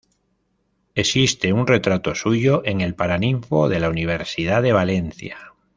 Existe un retrato suyo en el Paraninfo de la Universidad de Valencia.